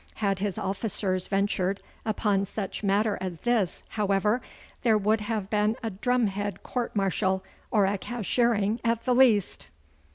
Had his officers ventured upon such matter as this, however, there would have been a drum head court martial, or a cashiering at the least.